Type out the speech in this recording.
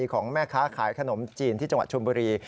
ของแม่ค้าขายขนมจีนที่จังหวัดชมบุรี